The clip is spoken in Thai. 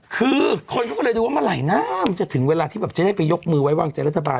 คือคนก็เลยดูว่าเมื่อไหนนะจะถึงเวลาที่จะได้ไปยกมือว่าว่างอาจรัฐบาล